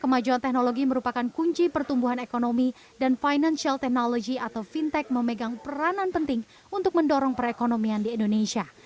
kemajuan teknologi merupakan kunci pertumbuhan ekonomi dan financial technology atau fintech memegang peranan penting untuk mendorong perekonomian di indonesia